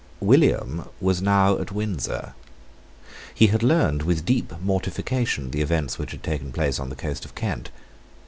William was now at Windsor. He had learned with deep mortification the events which had taken place on the coast of Kent.